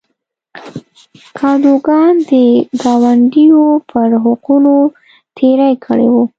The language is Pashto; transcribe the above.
کادوګان د ګاونډیو پر حقونو تېری کړی و.